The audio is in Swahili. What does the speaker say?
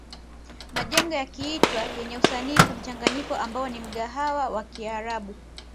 Majengo yakiitwa yenye usanifu mchanganyiko ambayo ni mgahawa wa kiarabu